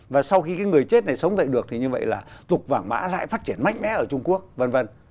và sau khi cái người chết này sống dậy được thì như vậy là tục vàng mã lại phát triển mạnh mẽ ở trung quốc v v